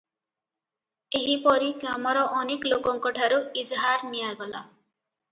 ଏହିପରି ଗ୍ରାମର ଅନେକ ଲୋକଙ୍କଠାରୁ ଇଜାହାର ନିଆଗଲା ।